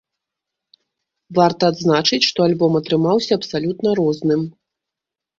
Варта адзначыць, што альбом атрымаўся абсалютна розным.